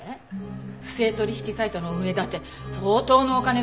不正取引サイトの運営だって相当のお金が必要だったはずよ。